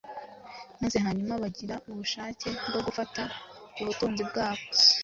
maze hanyuma bagira ubushake bwo gufata ku butunzi bwabo